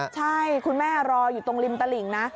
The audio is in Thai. ใช่คุณแม่รออยู่ตรงริมตลิ่งนะ